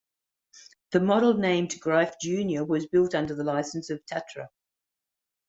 The model named "Greif Junior" was built under the licence of Tatra.